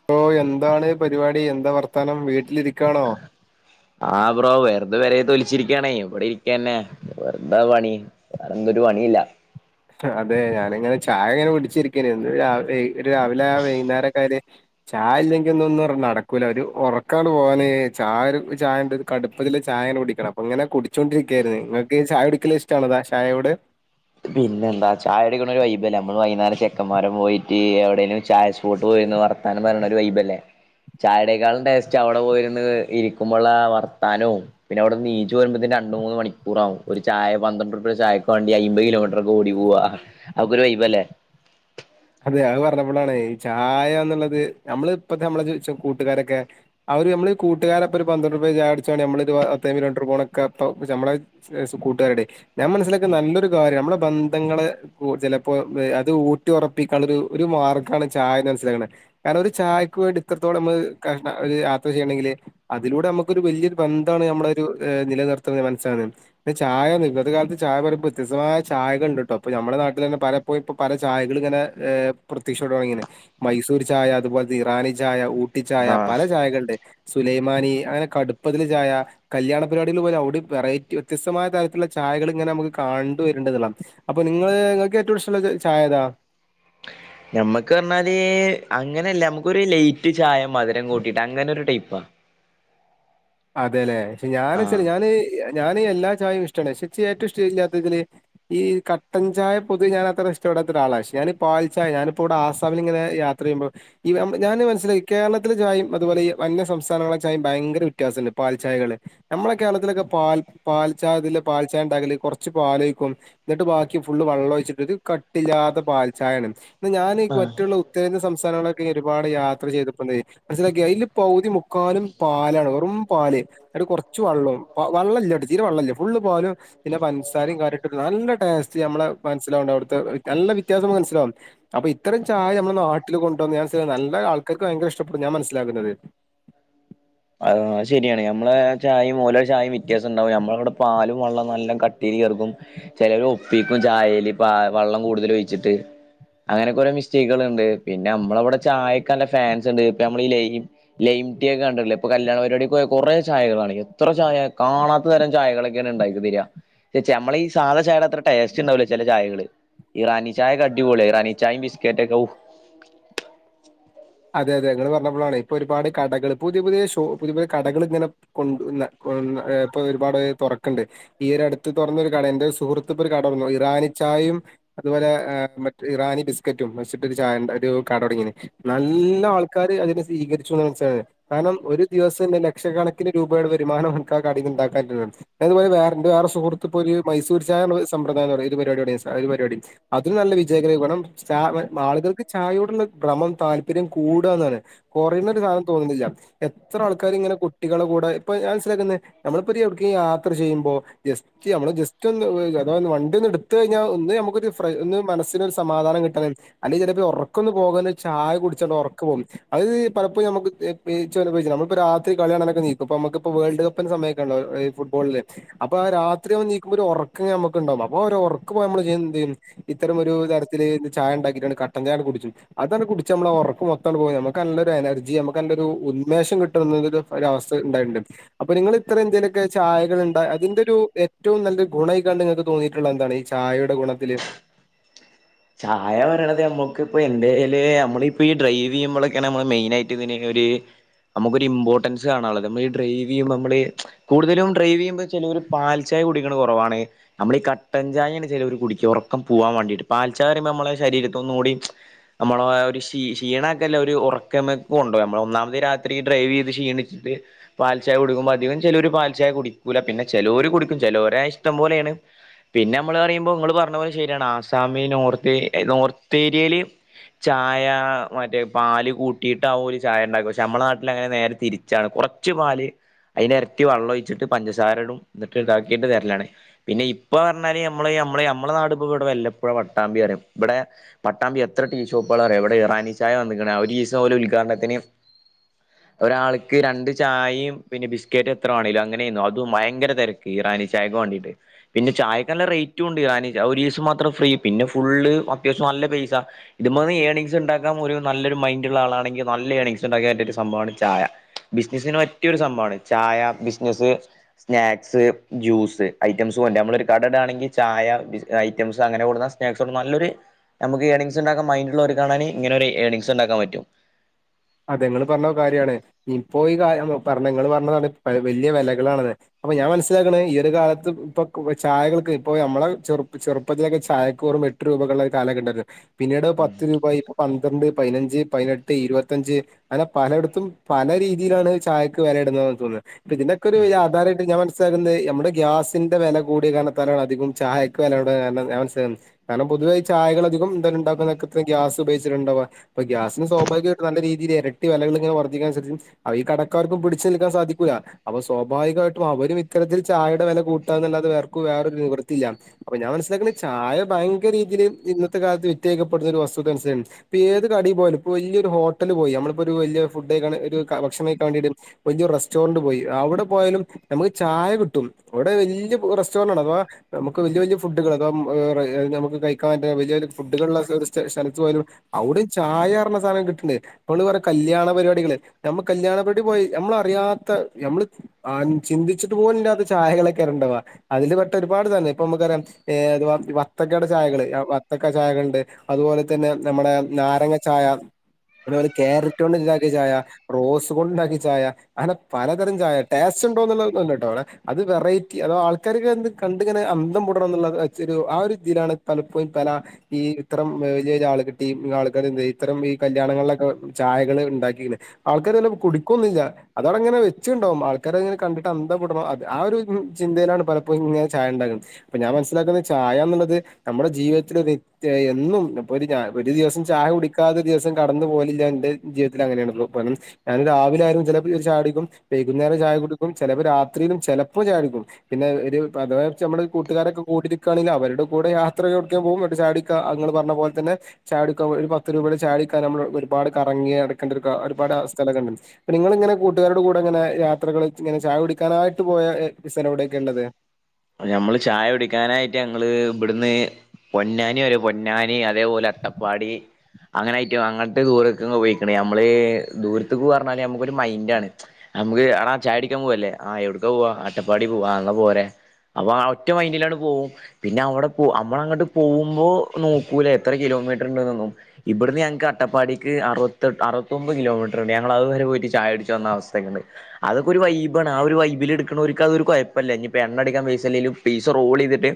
പ്പോ എന്താണ് പരിപാടി എന്താ വർ ത്താനം വീട്ടിലിരിക്കാണോ? ഇത് വരെ തൊലിച്ചിരിക്കാണേ ഇവിടെ ഇരിക്കന്നെ വേറെന്താ പണി വേറെ എന്തൊരു പണിയില്ല. അതെ ഞാനിങ്ങനെ ചായ ങ്ങനെ കുടിച്ചിരിക്കേയ്നു. ഒരു രാവിലെ ആ വൈകുന്നേരക്കാര് ചായ ഇല്ലെങ്കിൽ ഒന്നും പറഞ്ഞാ നടക്കൂല ഒരു ഉറക്കാണ് പോകാനെ ചായ ഒരു ചായ ഒരു കടുപ്പതിൽ ചായനെ കുടിക്കണം അപ്പൊ ഇങ്ങനെ കുടിച്ചോണ്ടിരിക്കായിരുന്നു നിങ്ങക്ക് ചായ കുടിക്കല ഇഷ്ടള്ളതാ ചായയോട്? പിന്നെ എന്താ ചായ കുട്ടിക്കുന്ന ഒരു വൈബല്ലേ നമ്മള് വൈകുന്നേര ചെക്കന്മാരം പോയിട്ട് എവിടേലും ചായ സ്പോട്ട് പോയിന്ന് വർത്താനം പറയണ ഒരു വൈബല്ലേ ചായടേക്കാളും ടേസ്റ്റ് അവിടെ പോയിന്ന് ഇരിക്കുമ്പോ വർത്താനവും പിന്നെ അവിടെന്ന് നീച്ചു പോരുമ്പോത്തേ രണ്ട് മൂന്ന് മണിക്കൂറാവും ഒരു ചായ പന്ത്രണ്ടരുപ്യ ചായക്ക വണ്ടി അയ്മ്പത് കിലോമീറ്റർക്കെ ഓടി പോവാ അപ്പൊരു വൈബ് അല്ലേ. അതെ അത് പറഞ്ഞപ്പോഴാണ് ഈ ചായന്നുള്ളത് നമ്മള ഇപ്പത്തെ നമ്മള കൂട്ടുകാരൊക്കെ അവര് നമ്മള് കൂട്ടുകാരപ്പൊ ഒരു പന്ത്രണ്ട് രൂപ ചായ കുടിച്ചണ നമ്മൾ ഒരു പത്ത കിലോമീറ്റർ പോണൊക്കെ നമ്മളെ കൂട്ടുകാരുടെ ഞാൻ മനസ്സിലൊക്കെ നല്ലൊരു കാര്യം നമ്മുടെ ബന്ധങ്ങള് ചിലപ്പോ അത് ഊട്ടി ഉറപ്പ ക്കാനുള്ള ഒരു മാർഗമാണ് ചായന്ന് മനസ്സിലാക്കുന്നത് കാരണം ഒരു ചായയ്ക്ക് വേണ്ടി ഇത്രത്തോം കഷ യാത്ര ചെയ്യണെങ്കിൽ അതിലൂടെ നമുക്കൊരു ഒരു വലിയൊരു ബന്ധമാണ് നമ്മള ഒരു നിലനിർത്തുന്നത് മനസ്സിലകുന്നത് പി ചായ ഇന്നത്തെ കാലത്ത് ചായ പറയുമ്പോ വ്യത്യസ്തമായ ചായകളുണ്ട് കേട്ടോ അപ്പൊ നമ്മുടെ നാട്ടിൽ തന്നെ പലപ്പോയി ഇപ്പോ പല ചായകും ഇങ്ങനെ ഹ പ്രത്യക്ഷോട ഇങ്ങനെ മൈസൂർ ചായ അതുപോലെ ഇറാനി ചായ ഊ ട്ടി ചായ ആഹ് പല ചായകളുണ്ട്. സുലൈമാനി അങ്ങനെ കടുപ്പതിൽ ചായ കല്യാണ പരിപാടി പോലെ അവിടെ വെറൈറ്റി വ്യത്യസ്തമായ തരത്തിലുള്ള ചായകൾ ഇങ്ങനെ നമുക്ക് കണ്ട് വരേണ്ടതുള്ളാം അപ്പൊ നിങ്ങള് നിങ്ങൾക്ക് ഏറ്റവും ഇഷ്ടമുള്ള ചായ ഏതാ? നമ്മക്ക് പറഞ്ഞാല് അങ്ങനെല്ല നമുക്കൊ ഒരു ലൈറ്റ് ചായ മധുരം കൂട്ടിട്ട് അങ്ങനെ ഒരു ടൈപ്പാ. അതെല്ലേ? പക്ഷേ ഞാനെന്ന്വെച്ചാൽ ആഹ് ഞാന് ഞാൻ എല്ലാ ചായയും ഇഷ്ടമാണ് പക്ഷേ ഏറ്റവും ഇഷ്ട ഇല്ലാത്തല് ഈ കട്ടൻ ചായ പൊതുവെ അത്ര ഇഷ്ടപ്പെടാത്ത ഒരാളാ ഞാ പൽ ചായ ഞാനിപ്പോ ഇവിടെ ആസാമിൽ ഇങ്ങനെ യാത്ര ചെയ്യുമ്പോ ഈ ഞാന് മനസ്സിലായി കേരളത്തിലെ ചായും അതുപോലെ ഈ അന്യ സംസ്ഥാനങ്ങളില ചായ ഭയങ്കര വ്യത്യാസണ്ട് പാൽച്ചായകള് നമ്മളെ കേരളത്തിലൊക്കെ പാൽ പാൽ ചായതില് പാൽചായ ഉണ്ടകല് കുറച്ച് പാലെഴിക്കും എന്നിട്ട് ബാക്കി ഫുള്ള് വെള്ളം ഒഴിച്ചിട്ട് കട്ടില്ലാത്ത പാൽച്ചായയാണ്. ഞാൻ ആഹ് മറ്റുള്ള ഉത്തരേന്ത്യ സംസ് നങ്ങളൊക്കെ ഒരുപാട് യാത്ര ചെയ്തപ്പോ മനസ്സിലാക്കിയ അതില് പകുതി മുക്കാലും പാലാണ്. വെറും പാല് അന്നിട്ട് കുറച്ച് വെള്ളവും വള്ളല്ല തീരെ വെള്ളമില്ല ഫുള്ള് പാലും പിന്നെ പൻസാരയും കാര്യട്ടും നല്ല ടേസ്റ്റ് നമ്മളെ മനസ്സിലാവണ്ട് അവിടുത്തെ നല്ല വ്യത്യാസം മനസ്സിലാവും അപ്പൊ ഇത്തരം ചായ നമ്മള നാട്ടിൽ കൊണ്ടുവന്ന് ഞാൻ നല്ല ആൾക്കാർക്ക് ഭയങ്കര ഇഷ്ടപ്പെടും ഞാൻ മനസ്സിലാക്കുന്നത്. ആ ശരിയാണ് ഞമ്മളെ ചായയും ഓലോ ചായയും വ്യത്യാസം ഉണ്ടാവും നമ്മളവിടെ പാലും വെള്ളം നല്ല കട്ടിൽ ചേർക്കും ചിലർ ഒപ്പിക്കും ചായേല് വള്ളം കൂടുതൽ ഒഴിച്ചിട്ട് അങ്ങനെ കുറെേ മിസ്റ്റേക്കുകൾ ഉണ്ട് പിന്നെ നമ്മളവിടെ ചായയൊക്കെ നല്ല ഫാൻസ് ഉണ്ട് ഇപ്പ നമ്മൾ ലൈംടീ ഒക്കെ കണ്ടിട്ടില്ലേ കല്യാണ പ്പാടിക്ക് പോയാ കുറേ ചായകളാണ് എത്ര ചായ കാണാത്ത തരം ചായകളൊക്കെയാ ഉണ്ടാക്കി തരികാ ഈ സാധ ചായയുടെ അത്ര ടേസ്റ്റ് ഉണ്ടാവൂല ചില ചായകള് ഇറാനി ചായൊക്കെ അടിപൊളിയാ ഇറാനി ചായയും ബിസ്കറ്റ് ഒക്കെ ഔ അതെ അതെ ഞങ്ങൾ പറഞ്ഞപ്പോഴാണ് ഇപ്പൊ ഒരുപാട് കടകൾ പുതിയ പുതിയ ഷോ പുതിയ പുതിയ കടകൾ ഇങ്ങനെ കൊണ്ട ഇപ്പൊ ഒരുപാട് തുറക്കുണ്ട് ഈ ഒരു അടുത്ത് തുറന്നൊ ഒരു കട എന്റെ സുഹൃത്ത് ഇപ്പോ ഒരു കടന്നു ഇറാനി ചായയും അതുപോലെ മ ഇറാനി ബിസ്കറ്റും വെച്ചിട്ടു ചായ ഉ ഒരു കട തൊടങ്ങീന് നല്ല ആൾക്കാര് അതിനെ സ്വീകരിച്ചൂന്ന് മനസ്സിലായില്ലേ കാരണം ഒരു ദിവസം തന്നെ ലക്ഷക്കണക്കിന് രൂപയുടെ വരുമാനം എനക്ക് ആ കടേന്ന്ണ്ടാക്കാ [unintelligible] അതുപോലെ വേറെൻ്റെ എൻ്റെ വേറെ സുഹൃത്ത് ഇപ്പോ ഒരു മൈസൂര് ചായാന്ന് പറഞ്ഞ സമ്പ്രദായം തൊടങ്ങി ഒരു പരിപാടി ഒരു പരിപാടി അത് നല്ല വിജയകരമായി, കാരണം ച ആളുകൾക്ക് ചായയോടുള്ള ഭ്രമം താല്പര്യം കൂടാന്നാണ് കൊറയുന്നൊരു സാധനം തോന്നണില്ല എത്ര ആൾക്കാര് ഇങ്ങനെ കുട്ടികളെ കൂടെ ഇപ്പ ഞാൻ മനസിലാക്കണെ നമ്മളിപ്പ എവിടക്ക് യാത്ര ചെയ്യുമ്പോ പ്പോ ജസ്റ്റ് നമ്മള് ജസ്റ്റ് ഒന്ന് അതാ വണ്ടി ഒന്ന് എടുത്ത് കഴിഞ്ഞാ ഒന്ന് ഞമ്മക്ക് ഒരു പ്രൈ ഒന്ന് മനസ്സിന് ഒരു സമാധാനം കിട്ടാന് അല്ലെങ്കിൽ ചെലപ്പോ ഈ ഒറക്കൊന്ന് പോകല് ചായ കുടിച്ചാണ്ട് ഒറക്ക് പോകും, അത് ഇത് പലപ്പോഴും ഞമ്മക്ക് ഇ പ് ച് നമ്മളിപ്പ രാത്രി കളി കാണനൊക്കെ ഇരിക്കും നമുക്കിപ്പോ വേൾഡ് കപ്പിൻ്റെ സമയൊക്ക [unintelligible] ഈ ഫുട്ബോളില് അപ്പ രാത്രി നമ്മളെണീക്കുമ്പോ ഒരു ഒറക്ക്ങ്ങനെ നമ്മക്ക് ഇണ്ടാവും, അപ്പൊ ഒര് ഒറക്ക് പോവാൻ നമ്മള് എന്ത് ചെയ്യും ഇത്തരം ഒരു തരത്തില് ചായ ഉണ്ടാക്കിയിട്ടാണ് കട്ടൻ ചായ കുടിച്ചും അതാണ് കുടിച്ചാ ഞമ്മളെ ഒറക്ക് മൊത്തങ്ങട് പോവും, ഞമ്മക്ക് നല്ലൊരു എനർജി ഞമ്മക്ക് നല്ലൊരു ഉന്മേഷം കിട്ടുന്ന ഒരു അവസ്ഥ ഉണ്ടായിട്ടുണ്ട് അപ്പൊ നിങ്ങള് ഇത്ര ഇന്ത്യയിലൊക്കെ ചായകൾ ഉണ്ട് അതിന്റെ ഒരു ഏറ്റവും നല്ല ഒരു ഗുണമായിക്കാണ്ട് നിങ്ങൾക്ക് തോന്നിയിട്ടുള്ള എന്താണ് ഈ ചായയുടെ ഗുണത്തില് ചായ പറയണത് ഞമ്മക്ക് ഇപ്പൊ എന്തല് നമ്മളിപ്പോ ഈ ഡ്രൈവ് ചെയ്യുമ്പളെക്കെയാണ് നമ്മള് മെയിൻ ആയിട്ട് ഇതിന് ഒരു നമുക്കൊരു ഇമ്പോർട്ടൻസ് കാണാനുള്ളത് നമ്മൾ ഈ ഡ്രൈവ് ചെയ്യുമ്പോൾ നമ്മള് കൂടുതലും ഡ്രൈവ് ചെയ്യുമ്പോ ചിലര് പാൽ ചായ കുടിക്കണ കുറവാണ് നമ്മളീ കട്ടൻ ചായയാണ് ചെലവര് കുടിക്കുക ഉറക്കം പോകാൻ വേണ്ടിട്ട്. പാൽ ചായ പറയുമ്പോ നമ്മളെ ശരീരത്തൊന്നും കൂടി നമ്മളെ ഒരു ക്ഷീ ക്ഷീണക്കല്ലെ ഒരു ഒറക്ക മയക്കം ഇണ്ടാവും, നമ്മൾ ഒന്നാമീതി രാത്രി ഡ്രൈവ് ചെയ്ത് ക്ഷീണിച്ചിട്ട് പാൽചായ കുടിക്കുമ്പോ അധികം ചിലര് പാൽച്ചായ കുടിക്കൂല, പിന്നെ ചെലോര് കുടിക്കും, ചെലോര് ഇഷ്ടം പോലെയാണ് പിന്നെ നമ്മള് പറയുമ്പോ ഇങ്ങള് പറഞ്ഞ പോലെ ശരിയാണ് സമി നോർത്ത് നോർത്ത് ഏരിയേല് ചായ മറ്റേ പാല് കൂട്ടിയിട്ട് ആവും ഓല് ചായ ഉണ്ടാക്കും പക്ഷെ നമ്മളെ നാട്ടിൽ അങ്ങനെ നേരെ തിരിച്ചാണ് കൊറച്ച് പാല് അതിൻ്റെയെരട്ടി വെള്ളം ഒഴിച്ചിട്ട് പഞ്ചസാരടും എന്നിട്ട് ഇതാക്കിയിട്ട് തെരലാണ്, പിന്നെ ഇപ്പ പറഞ്ഞാല് നമ്മൾ നമ്മള നമ്മളുടെ നാട് ഇപ്പ ഇവിടെ വല്ല പ്പുഴ പട്ടാമ്പി പറയും, ഇവിടെ പട്ടാമ്പി എത്ര ടീ ഷോപ്പുകളാ അറിയാ ഇവിടെ ഇറാനി ചായ വന്ന്ക്കണ് ഒരു ദിവസം പോലെ ഉദ്ഘാടനത്തിന് ഒരാൾക്ക് രണ്ട് ചായയും പിന്നെ ബിസ്ക്കറ്റ് എത്ര വേണേങ്കിലും, അങ്ങനെയും അതും ഭയങ്കര തിരക്ക് ഇറാനി ചായക്ക് വേണ്ടിട്ട് പിന്നെ ചായയ്ക്ക് നല്ല റേറ്റും ഉണ്ട് ഇറാനി ഒരീസം മാത്രം ഫ്രീ പിന്നെ ഫുള്ള് അത്യാവശ്യം നല്ല പൈസ ഇത് മ്മേന്ന് ഏണിംഗസ് ഇണ്ടാക്കാൻ ഒരു നല്ലൊരു മൈൻഡുള്ള ആളാണെങ്കിൽ നല്ല ഏണിംഗ്സ് ഉണ്ടാക്കൻ പറ്റിയ ഒരു സംഭവമാണ് ചായ ബിസിനസ്സിന് പറ്റിയൊരു സംഭവമാണ് ചായ ബിസിനസ്സ് സ്നാക്സ് ജ്യൂസ് ഐറ്റംസ് നമ്മള് ഒരു കട ഇടാണെങ്കിൽ ചായ ഐറ്റംസ് അങ്ങനെ കൊടുക്കുന്ന നാക്സ് കൊണ്ട് നല്ലൊരു നമ്മക്ക് ഏണിംഗ്സ് ഇണ്ടാക്കാൻ മൈൻഡുള്ള ഓര്ക്കാണെങ്കില് ഇങ്ങന ഒരു ഏർണിങ്സ് ഇണ്ടാക്കാൻ പറ്റും. അതെ ഇങ്ങള് പറഞ്ഞ കാര്യാണ് ഇപ്പോ ഈ കാ പറഞ്ഞ ഇങ്ങള് പറഞ്ഞതാണ് വെല്ല്യ വെലകളാണത് അപ്പൊ ഞാൻ മനസ്സിലാക്കണെ ഈ ഒരു കാലത്ത് ഇപ്പൊ ചായകൾക്ക് ഇപ്പൊ നമ്മളെ ചെറു ചെറുപ്പത്തിലൊക്കെ ചായക്ക് വെറും എട്ട് രൂപക്കെള്ളെ കാലൊക്കെ ഇണ്ടായിരുന്നു പിന്നീട് പത്ത് രൂപ ഇപ്പ പന്ത് പന്ത്രണ്ട് പയിനഞ്ച് പതിനെട്ട് ഇരുപത് ത്തഞ്ച് അങ്ങനെ പലടത്തും പല രീതിയിലാണ് ചായക്ക് വെലടുന്നതോന്നെ ഇപ്പ ഇതിനക്കെ ഒരു ആധാരയിട്ട് ഞ മനസ്സിലകുന്ന മ്മടെ ഗ്യാസിന്റെ വെല കൂടിയ കർണത്താലാണ് അധികം ചായക്ക് വെലകൂടാകാർണം ഞാൻ മനസ കാരണം പൊതുവായി ചായകൾ അധിക എന്താലും ണ്ടാക്കുന്നത്ര ക്ക ഗ്യാസ് ഉപയോഗിച്ചിട്ടുണ്ടവ അ ഗ്യാസിന് സ്വാഭ നല്ല രീതിയിൽ ഇരട്ടി വിലകൾ ഇങ്ങനെ വർദ്ധിക്കതിനനുസരിച് ഈ കടക്കാർക്കും പിടിച്ചു നിൽക്കാൻ സാധിക്കുല്ല അപ്പൊ സ്വാഭാവികമായിട്ടും അവരും ഇത്തരത്തിൽ ചായയുടെ വില കൂട്ടാനാലാതെ അവര്ക് വേറൊരു നിവൃത്തിയില്ല അപ്പൊ ഞാൻ മനസിലാക്ക്ണ് ചായ ഭയങ്കരീതിയി ഇന്നത്തെ കാലത്ത് വിറ്റായിക്കപ്പെടുന്ന ഒരു വസ്തുനുസരി ഇപ്പോ ഏത് കടി പോലും ഇപ്പോ വലിയൊരുട്ട ഹോ ഹോട്ടൽ പോയി നമ്മളിപ്പോ ഒരു വലിയ ഫുഡ് ഭക്ഷണംകഴിക്കാൻ വേണ്ടിയിട്ട് വലിയ ഒരു റെസ്റ്റോറന്റ് പോയി അവിടെ പോയാലും നമുക്ക് ചായ കിട്ടും അവിടെ വലിയ റെസ്റ്റോറന്റ് ആണ് അഥവാ നമുക്ക് വലിയ വലിയ ഫുഡുകൾ അഥവാ നമുക്ക് കഴിക്കാൻ വലിയവലിയ ഫുഡുകളള്ള സ്ഥലത്ത് പോയാലും അവിടെ ചായ പറണ സാധനം കിട്ടണ്ട് ആപ്പോള് പറയും കല്യാണ പരിപാടികള് നമ്മൾ കല്യാണ പരിപാടി പോയി നമ്മളറിയാത്ത നഞമ്മള് ആ ചിന്തിച്ചിട്ട് പോലുലില്ലാത്ത ചായകളൊക്കെ ഇറണ്ടവാ അതില് പെട്ട ഒരുപാട് തന്നെ ഇപ്പൊ നമുക്ക് അറിയാം ഏ അഥവാ വത്തക്കയുടെ ചായകള് വത്തക്ക ചായകളുണ്ട് അതുപോലെ തന്നെ നമ്മുടെ നാരങ്ങ ചായ അതുേ പോലെ ക്യാരറ്റ് കൊണ്ട് ഉണ്ടാക്കിയ ചായ റോസ് കൊണ്ട് ഉണ്ടാക്കിയ ചായ അങ്ങനെ പലതരം ചായ ടേസ്റ്റ് ഉണ്ടോ എന്നുള്ളത് അല്ലെട്ടോ അവിടെ അത് വെറൈറ്റി അതോ ആൾക്കാർ കണ്ടിങ്ങെനെ അന്തം പൂടണം എന്നുള്ള ആച്ച് ഒരു ഇതിയിലാണ് പലപ്പോഴും പല ഈ ഇത്തരം വലിയ വലിയ ആൾ കട്ടിയും ആൾക്കാ ഇത്തരം ഈ കല്യാണങ്ങളിലൊ ചായകൾ ഉണ്ടാക്കിയിന് ആൾക്കാർ ചപ്പോ കുടിക്കുംന്നില്ല അതോടെങ്ങനെ വെച്ചണ്ടാവകും ആൾക്കാരങ്ങനെ കണ്ടിട്ട് അന്ന്തപ്പെടണം ആ ഒരു ചിന്തയിലാണ് പലപ്പോഴ ഇങ്ങനെ ചായ ഉണ്ടാക്കുന്നത് അപ്പൊ ഞാൻ മനസ്സിലാക്കുന്നത് ചായന്നുള്ളത് നമ്മുടെ ജീവിതത്തിൽ ഒരു എന്നും ഇപ്പൊ ഒരു ദിവസം ചായ കുടിക്കാതെ ദിവസം കടന്നു പോല് എന്റെ ജീവിതത്തിൽ അങ്ങനെയ ഞാൻ രാവിലെ ആകും ചിലപ്പോ ചാടിക്കും വൈകുന്നേരം ചായ കുടുക്കും ചിലപ്പോ രാത്രിയിലും ചിലപ്പോ ചാടിക്കും പിന്നെ ഒരു അതാവച്ച കൂട്ടുകാരൊക്കെ കൂട്ടികാണെ അവരുടെ കൂടെ യാത്രൊക്കെ ഓക്കാൻ പോകും ചാടിക്ക അ പറഞ്ഞ പോലെ തന്നെ ചായ ഒരു പത്ത് രൂപയുടെ ചായ ടിക്കാ ഞാമ്മ ഒരുപാട് കറങ്ങിയട് കണ്ടിരുക ഒരുപാട് സ്ഥലങ്ങ നിങ്ങള് ഇങ്ങനെ കൂട്ടുകാരോട് കൂടെ ഇങ്ങനെ യാത്രകലിൽ ഇങ്ങനെ ചായ കുടിക്കാനായിട്ട് പോയ സ്ഥലങ്ങൾ എവിടെയൊക്കെ യുള്ളത് നമ്മള് ചായ കുടിക്കാനായിട്ട് ഞങ്ങള് ഇവിടുന്ന് പൊന്നാനി വരെ പൊന്നാനി അതേപോലെ അട്ടപ്പാടി അങ്ങനെയിട്ടും അങ്ങന് ദൂരൊക്കെ പോയികാണ് നമ്മള് ദൂരത്ത പോവാ പറഞ്ഞാല് നമ്മുക്കൊരു മൈൻറ്റ് ആണ് നമുക്ക് ചായ അടിക്കാൻ പോവല്ലേ ആ എവിടക്കെ പോവാ അട്ടപ്പാടി പോവാ എന്നാ പോരെ അപ്പൊ ആ ഒറ്റ മൈറ്റിലങ്ങ് പോവും പിന്നെ അവിടെ പോ നമ്മള അങ്ങോട്ട് പോകുമ്പോ നോക്കൂല എത്ര കിലോമീറ്റർ ഉണ്ടന്നും ഇവിടുന്ന് ഞങ്ങൾക്ക് അട്ടപ്പാടിക്ക് അറുപ അറുപത്തൊമ്പത് കിലോമീറ്റർണ്ട് ഞങ്ങൾതു വരെ പോയിട്ട് ചായടടിച്ച് വന്ന അവസ്ഥയൊക്ക ഉണ്ട് അതൊക്കെ ഒരു വൈബ ആണ് ആ ഒരു വൈബിലിൽ എടുക്കുന്നവർക്ക് അത് ഒരു കുഴപ്പല്ല ഇനിപ്പാ എണ്ണടിക്കാൻ പാ ളിലും പീസ റോൾ ചെയ്തിട്ട്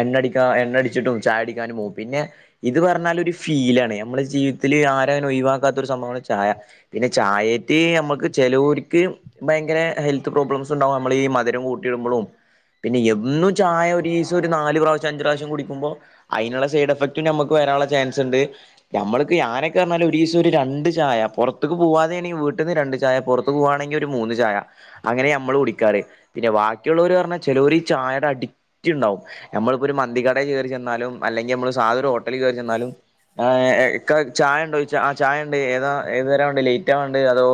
എണ്ണടിക്കാ എണ്ണടിച്ചിട്ടും ചായ അടിക്കാനും പോകവും പിന്നെ ഇത് പറഞ്ഞാൽ ഒരു ഫീലാണ് നമ്മുടെ ജീവിതത്തിൽ ആരങ്ങനും ഒഴിവാക്കാത്ത ഒരു സംഭവമാണ് ചായ പിന്നെ ചായെറ്റ് നമ്മക്ക് ചിലവർക്ക് ഭയങ്കര ഹെൽത്ത് പ്രോബ്ലംസ് ഉണ്ടാകും നമ്മൾ ഈ മധുരം കൂട്ടിയിടുമ്പോഴും പിന്നെ എന്നും ചായ ഒരു ദിവസം ഒരു നാല് പ്രാവശ്യം അഞ്ച് പ്രാവശ്യം കുടിക്കുമ്പോൾ അതിനുള്ള സൈഡ് എഫക്റ്റും നമുക്ക് വരാനുള്ള ചാൻസ്ണ്ട് നമ്മൾക്ക് ഞാനൊക്കെ പറഞ്ഞാൽ ഒരു ദിവസം ഒരു രണ്ട് ചായ പുറത്തക്ക് പോകാതെെയണെങ്കിൽ വീട്ടിൽ നിന്ന് രണ്ട് ചായ പുറത്ത്ക്ക് പോകുകവാണെങ്കിൽ ഒരു മൂന്ന് ചായ അങ്ങനെ നമ്മൾ കുടിക്കാറ് പിന്നെ ബാക്കിയുള്ളവർ പറഞ്ഞാൽ ചിലൊര് ഈ ചായടെ അഡിക്റ്റ് ഉണ്ടാവും നമ്മളിപ്പോൾ ഒരു മന്തി കടയിൽ കയറി ചെന്നാലും അല്ലെങ്കിൽ നമ്മൾ സാധ ഒരു ഹോട്ടലിൽ കയറി ചെന്നാലും ക്ക ചായ ഉണ്ടോ ആ ചായ ഉണ്ട് ഏതാ ഏതു തരാ വണ്ട് ലേറ്റ് ആ വേണ്ട് അതോ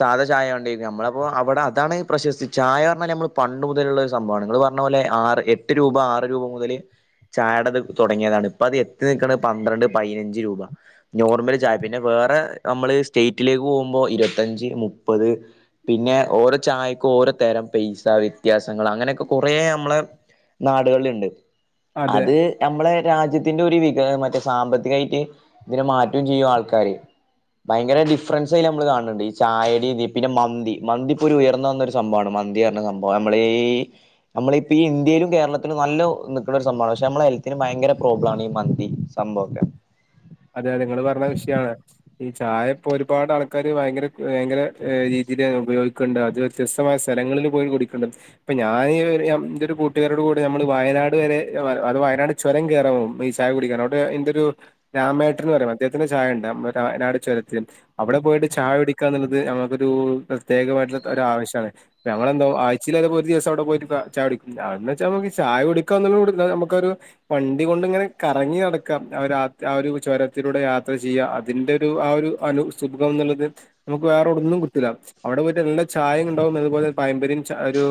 സാധാ ചായണ്ട നമ്മളപ്പോൾ അവിടെ അതാണ് പ്രശസ്തി ചായ പറഞ്ഞാൽ നമ്മൾ പണ്ട് മുതലുള്ള സംഭമാണ് നിങ്ങാ പറഞ്ഞ പോലെ ആറ് എട്ട് രൂപ ആറ് രൂപ മുതൽ ചായയുടെ അത് തുടങ്ങിയതാണ് ഇപ്പ അത് എത്തി നിൽക്കണ പന്ത്രണ്ട് പതിനഞ്ച് രൂപ നോർമല് ചായ പിന്നെ വേറെ നമ്മള് സ്റ്റേറ്റിലേക്ക് പോകുമ്പോൾ ഇരുപത്തഞ്ച് മുപ്പത് പിന്നെ ഓരോ ചായക്കും ഓരോ തരം പൈസ വ്യത്യാസം ങ്ങൾ അങ്ങനൊക്കെ കുറെ നമ്മളെ നാടുകളിലിണ്ട് അത് നമ്മളെ രാജ്യത്ത് ഇത്തിന്റെ വികാരം മറ്റേ സാമ്പത്തികമായിട്ട് ഇതിനെ മാറ്റം ചെയ്യും ആൾക്കാര് ഭയങ്കര ഡിഫറൻസ്യ നമ്മള് കാണുന്നുണ്ട് ഈ ചായയുടെ പിന്നെ മന്തി മന്തിപ്പോ ഒരു ഉയർന്നു വന്ന ഒരു സംഭവമാണ് മന്തി പറഞ്ഞ സംഭവ നമ്മളെ നമ്മള് നമ്മളിപ്പ ഈ ഇന്ത്യയിലും കേരളത്തിലും നല്ല നിക്കുന്ന ഒരു സംഭവമാണ് പക്ഷെ നമ്മുടെ ഹെൽത്തിന് ഭയങ്കര പ്രോബ്ലംണ് ഈ മന്തി സംമ്പോക്കെ അതെ അതെ നിങ്ങളൾ പറഞ്ഞ വിഷയമാണ് ഈ ചായ ഇപ്പോ ഒരുപാട് ആൾക്കാര് ഭയങ്കര ഭയങ്കര രീതിയില് ഉപയോഗിക്കുന്നുണ്ട് അത് വ്യത്യസ്തമായ സ്ഥലങ്ങളിൽ പോയി കുടിക്കുന്നുണ്ട് ഇപ്പൊ ഞാൻ എന്റെ ഒരു കൂട്ടുകാരോട് കൂടി നമ്മള് വയനാട് വരെ അത് വയനാട് ചുരം കയറാൻ പോ ഈ ചായ കുടിക്കാൻ അവിടെ എൻ്റൊരു രാമേട്ട്ര എന്ന് പറയും അദ്ദേഹത്തി്ന്റെ ചായയുണ്ട് രാനാട് ചുരത്തിൽ അവിടെ പോയിട്ട് ചായ കുടിക്കുക എന്നുള്ളത് നഞുക്കൊരു പ്രത്യേകമായിട്ടുള്ള ഒരു ആവശ്യമാണ് ഞമ്മൾെന്താ ആഴ്ചയിയിലപ്പോ ഒരു ദിവസം അവിടെ പോയിട്ട് ചായ പിടിക്കും അ വെച്ചാ നമക്ക് ചായ കുടക്കാ എന്നുള്ള നമുക്കരു വണ്ടി കൊണ്ടിങ്ങനെ കറങ്ങി നടക്കാം ആ ഒരു ആ ഒരു ചുരത്തിലൂടെ യാത്ര ചെയ്യുക അതിന്റെ ഒരു ആ ഒരു അനു സുഖം എന്നുള്ളത് നമുക്ക് വേറെവിടൊന്നും കിട്ടുല്ല അവിടെ പോയിട്ട് നല്ല ചായയും ഉണ്ടാവും അതുപോലെ പായമ്പരിയും ച ഒരു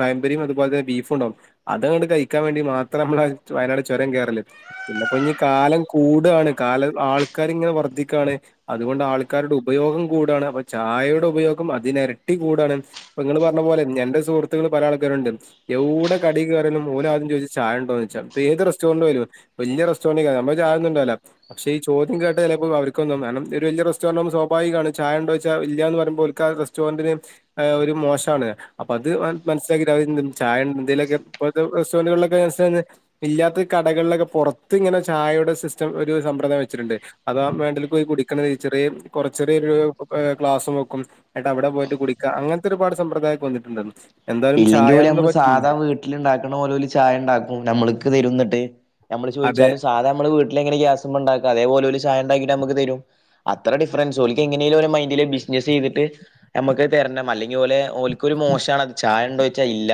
പായമ്പരിയും അതുപോലെ തന്നെ ബീഫും ഉണ്ടാവും അതങ്ങണ്ട് കഴിക്കാൻ വേണ്ടി മാത്രം നമ്മള് വയനാട് ചുരം കേരറൽ പിന്നെപ്പോ കാലം കൂടാണ് കാല ആൾക്കാർ ഇങ്ങനെ വർദ്ധിക്കുകാണ് അതുകൊണ്ട് ആൾക്കാരുടെ ഉപയോഗം കൂടാണ് അപ്പൊ ചായയുടെ ഉപയോഗം അതിനിരട്ടി കൂടാണ് ഇപ്പ നിങ്ങങ്ങള് പറഞ്ഞ പോലെ എന്റെ സുഹൃത്തുക്കൾ പല ആൾക്കാരുണ്ട് എവിടെ കടി കയിയുംഓരക്ക് ആദ്യം ചോദിച്ച ചായ ഉണ്ടോന്ന് വെച്ചാൽ ഏത് റെസ്റ്റോറന്റ വേരും വലിയ റെസ്റ്റോറൻറ്റി നമ്മ ചായൊന്നണ്ടല്ല പക്ഷെ ഈ ചോദ്യം കേട്ടാ ചിലപ്പോ അവർക്കൊന്നും കാരണം ഒരു വലിയ റെസ്റ്റോറന്റും സ്വാഭാവികമാണ് ചായ ഉണ്ടോെച്ചാൽ ഇല്ലയന്ന് പറുമ്പോൾ ഓൾക്കാ റെസ്റ്റോറന്റിന് ഒരു മോശമാണ് അപ്പ അത് മനസ്സില ചായ എന്തേലൊക്കെ ഇത്തെ റെസ്റ്റോറന്റുകളിലൊക്കെ മനസില ഇല്ലാത്ത കടകളിലൊക്കെ പുറത്ത് ഇങ്ങെ ചായയുടെ സിസ്റ്റം ഒരു സമ്പ്രദായം വെച്ചിട്ടുണ്ട് അത ആ വേണ്ടിൽ പോയി കുടിക്കണ ടീച്ചറ കുറച്ചറിയ ഒരു ക്ലാസ് നോക്കും എന്നിട്ട് അവിടെ പോയിട്ട് കുടിക്കുക അങ്ങനത്തെ ഒരുപാട് സമ്പ്രദായംക്കെ വന്നിട്ടുണ്ട് ഇല്ലെങ്കിൽ പോലെ നമ്മള് സാധാ വീട്ടിൽ ഉണ്ടാക്കണ പോലെല ചായ ഉണ്ടാക്കും നമ്മൾക്ക് തരുന്നിട്ട് നമ്മള് അതെ ചോയിച്ചാലും സാധാ നമ്മ വീട്ടിലെങ്ങനെ ഗാസ്മ്മെണ്ടാ അതേപോലെ ഓല് ചായണ്ടാക്കിട്ട് നമുക്ക് തരും അത്ര ഡിഫറൻസ് ഓൽക്ക് എങ്ങനേം ഓലെ മൈൻഡില് ബിസിനസ് ചെയ്തിട്ട് ഞമ്മക്ക് അത് തരണം അല്ലെങ്കിൽ ഓൽക്ക് ഒരു മോശാണത് ചായ ഉണ്ടോ ച്ചാ ഇല്ല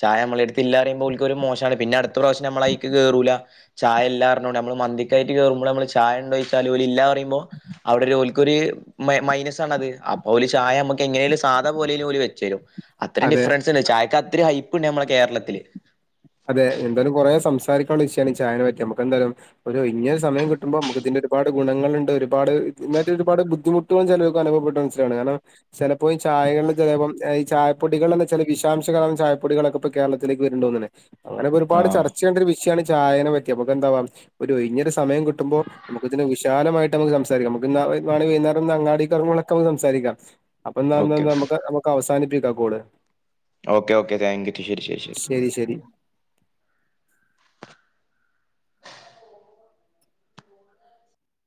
ചായ നമ്മളെ എടുത്ത് ഇല്ലാ പറയുമ്പോ ഓല്ക്കൊരു മോശാണ് പിന്നെ അടുത്ത പ്രാവശ്യം നമ്മൾ അയിക്ക് കേറൂല ചായ ഇല്ലാ പറഞ്ഞോണ്ട് മന്തിക്കായിട്ട് കേറുമ്പോ നമ്മള് ചായ ഉണ്ടോച്ചാൽ ഇല്ല പറയുമ്പോ അവിടെ ഓൽക്കൊരു മൈ മൈനസാണ് അപ്പോല് ഓല് ചായ എങ്ങനേലും സാദാ പോലെ ഓല് വെച്ചെരും അത്രയും അതെ ഡിഫറൻസ് ഉണ്ട് ചായക്ക ത്തിരിഹൈപ്പ് ഉണ്ട് നമ്മളെ കേരളത്തില് അതെ എന്തായാലും കുറേ സംസാരിക്കാനുള്ള വിഷയാണ് ചായനെ പറ്റി നമുക്ക് എന്തായാലും ഒരു ഒഴിഞ്ഞ സമയം കിട്ടുമ്പോൾ നമുക്ക് ഇതിന്റെ ഒരുപാട് ഗുണങ്ങളുണ്ട് ഒരുപാട് ഇതിനായിട്ട് ഒരുപാട് ബുദ്ധിമുട്ടുകളും ചെലോര്ക്ക് അനുഭവപ്പെട്ട മനസിലാണ് കാരണം ചിലപ്പോ ചായകളിൽ ചിലപ്പോഈ ചായ പൊടികൾ എന്ന ചില വിഷാംശം കലർന്ന ചായപ്പൊടികളൊക്കെ ഇപ്പൊ കേരളത്തിലേക്ക് വരുന്നുണ്ട് അങ്ങനെക്കൊരുപാട് ആഹ് ചർച്ച ചെയ്യണ്ട ഒരു വിഷയ ചായനെ പറ്റി നമുക്ക് എന്താവാ ഒരു കഴിഞ്ഞൊ സമയം കിട്ടുമ്പോ നമു ഇതിന് വിശാലമായിട്ട് നമ്മക്ക് സംസാരിക്കാ നമുക്ക് വാണെങ്കി വൈകുന്നേരം അങ്ങാടിക്കെറങ്ങുമ്പൊക്കെ നമുക്ക് സംസാരിക്കാം അപ്പൊ ന്ന ന്ന ഓക്കെ ഓക്കെ നമ്മക്ക് അവസാനിപ്പി [inaudible] ഓക്കെ ഓക്കേ താങ്ക് യു ശെരി ശെരി ശെരി ശരി ശരി.